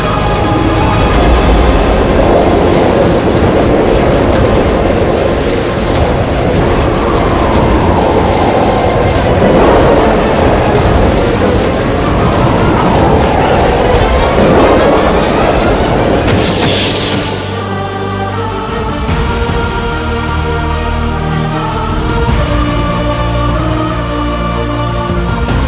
akan aku laksanakan